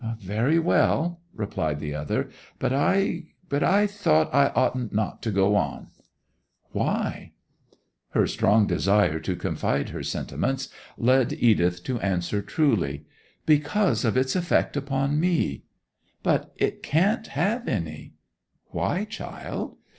'Very well,' replied the other. 'But I—but I thought I ought not to go on!' 'Why?' Her strong desire to confide her sentiments led Edith to answer truly: 'Because of its effect upon me.' 'But it can't have any!' 'Why, child?